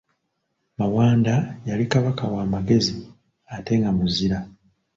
Mawanda yali Kabaka wa magezi ate nga muzira.